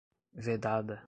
vedada